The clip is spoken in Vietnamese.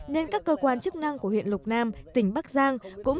nên các cơ quan chức năng của huyện lục nam tỉnh bắc giang cũng